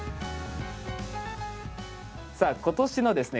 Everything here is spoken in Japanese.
さあ今年のですね